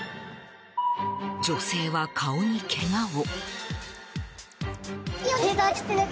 女性は顔にけがを。